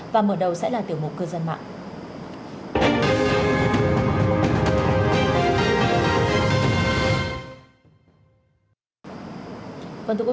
và mở đầu sẽ là tiểu mục cư dân mạng